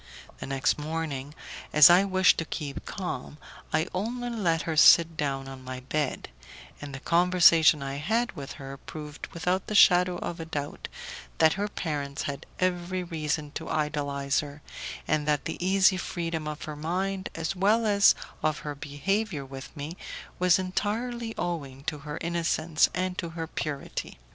The next morning, as I wished to keep calm, I only let her sit down on my bed, and the conversation I had with her proved without the shadow of a doubt that her parents had every reason to idolize her, and that the easy freedom of her mind as well as of her behaviour with me was entirely owing to her innocence and to her purity.